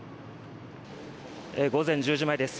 午前１０時前です。